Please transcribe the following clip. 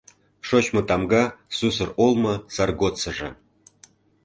Шочмо тамга, сусыр олмо сар годсыжо...